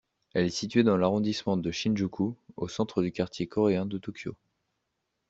Elle est située dans l'arrondissement de Shinjuku, au centre du quartier coréen de Tokyo.